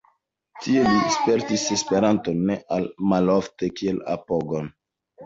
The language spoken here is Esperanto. Tie li spertis Esperanton ne malofte kiel apogon.